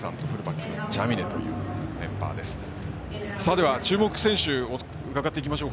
では、注目選手を伺っていきましょう。